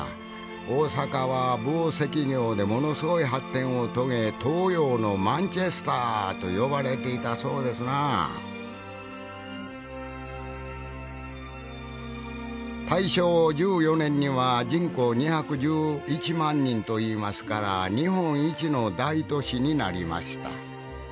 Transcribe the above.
大阪は紡績業でものすごい発展を遂げ「東洋のマンチェスター」と呼ばれていたそうですな大正１４年には人口２１１万人といいますから日本一の大都市になりました。